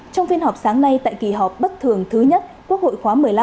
trong phiên họp sáng nay tại kỳ họp bất thường thứ nhất quốc hội khóa một mươi năm